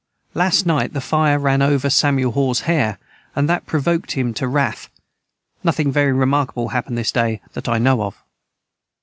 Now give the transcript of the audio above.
Las night the fire ran over Samuel Hawes's hair and that provoket him to wrath Nothing very remarkable hapned this day that I know of.